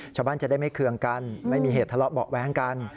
ชาวบ้านจะได้ไม่เคืองกันไม่มีเหตุทะเลาะเบาะแว้งกัน